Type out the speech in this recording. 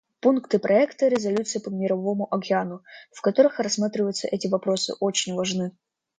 Пункты проекта резолюции по Мировому океану, в которых рассматриваются эти вопросы, очень важны.